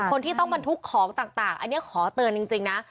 คนที่ต้องบรรทุกของต่างอันนี้ขอเตือนจริงนะ